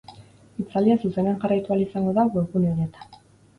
Hitzaldia zuzenean jarraitu ahal izango da webgune honetan.